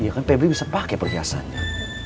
iya kan pebri bisa pake perhiasannya